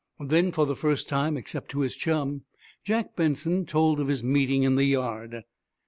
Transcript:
Then, for the first time, except to his chum, Jack Benson told of his meeting in the yard.